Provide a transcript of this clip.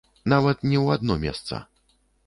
Нават не ў адно месца.